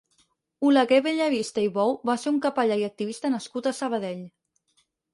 Oleguer Bellavista i Bou va ser un capellà i activista nascut a Sabadell.